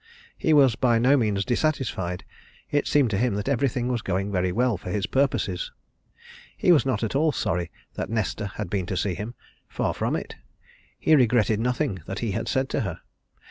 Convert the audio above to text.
He was by no means dissatisfied, it seemed to him that everything was going very well for his purposes. He was not at all sorry that Nesta had been to see him far from it. He regretted nothing that he had said to her.